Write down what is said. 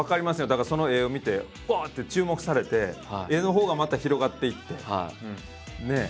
だからその絵を見てわって注目されて絵のほうがまた広がっていってねえ。